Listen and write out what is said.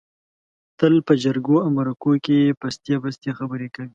تل په جرگو او مرکو کې پستې پستې خبرې کوي.